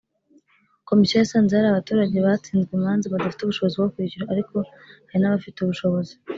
Komisiyo yasanze hari abaturage batsinzwe imanza badafite ubushobozi bwo kwishyura ariko hari n abafite ubushobozi